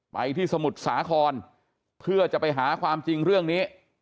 ไปที่สมุทรสาครเพื่อจะไปหาความจริงเรื่องนี้